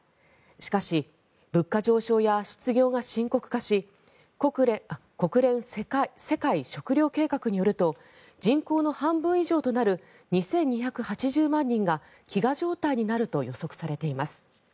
しかし物価上昇や失業が深刻化し国連世界食糧計画によると人口の半分以上となる２２８０万人が飢餓状態になると予測されています。